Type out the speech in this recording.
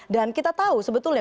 dan kita tahu sebetulnya